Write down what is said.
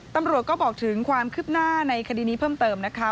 ตำรวจก็บอกถึงความคืบหน้าในคดีนี้เพิ่มเติมนะคะ